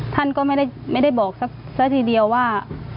ท่านก็ไม่ได้บอกสักทีเดียวว่า